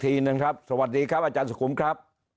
ทีนึงครับสวัสดีครับอาจารย์สุขุมครับ